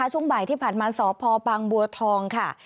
ช่วงบ่ายที่ผ่านมาสพบางบัวทองค่ะ